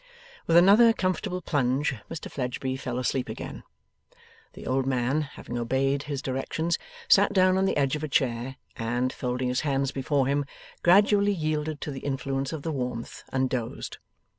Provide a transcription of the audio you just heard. With another comfortable plunge, Mr Fledgeby fell asleep again. The old man, having obeyed his directions, sat down on the edge of a chair, and, folding his hands before him, gradually yielded to the influence of the warmth, and dozed.